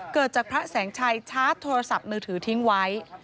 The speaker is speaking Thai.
เกิดจากพระแสงชัยชาร์จโทรศัพท์มือถือทิ้งไว้